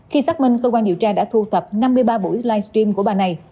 khi xác minh cơ quan điều tra đã thu thập năm mươi ba buổi livestream của bà này